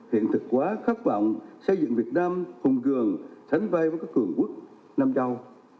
hiện thực quá khát vọng xây dựng việt nam hùng cường sánh vai với các cường quốc nam châu